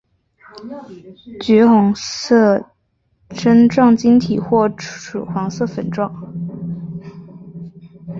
橘红色针状晶体或赭黄色粉末。